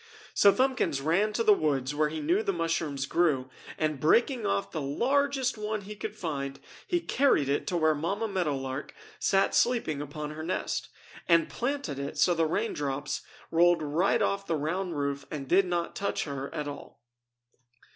So Thumbkins ran to the woods where he knew the mushrooms grew, and breaking off the largest one he could find he carried it to where Mamma Meadow Lark sat sleeping upon her nest, and planted it so the raindrops rolled off the round roof and did not touch her at all.